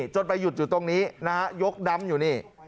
จนไปหยุดอยู่ตรงนี้นะฮะยกดำอยู่นี่